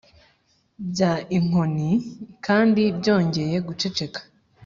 bya inkoni, kandi byongeye guceceka.